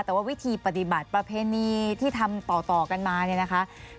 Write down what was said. แต่ว่าวิธีปฏิบัติประเพณีที่ทำต่อกันมาเนี่ยนะคะ